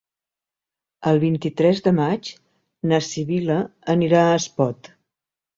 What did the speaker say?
El vint-i-tres de maig na Sibil·la anirà a Espot.